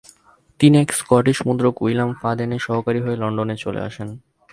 তিনি এক স্কটিশ মুদ্রক উইলিয়াম ফাদেনের সহকারী হয়ে লণ্ডনে চলে আসেন।